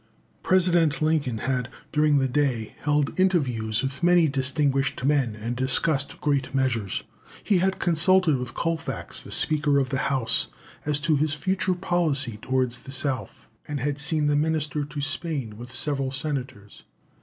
President Lincoln had, during the day, held interviews with many distinguished men, and discussed great measures. He had consulted with Colfax, the Speaker of the House, as to his future policy towards the South, and had seen the Minister to Spain, with several senators.